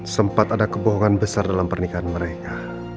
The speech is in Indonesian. sempat ada kebohongan besar dalam pernikahan mereka